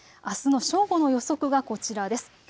あすの正午の予測がこちらです。